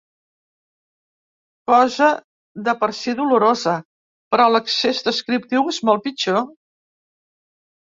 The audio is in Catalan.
Cosa de per si dolorosa, però l'excés descriptiu és molt pitjor.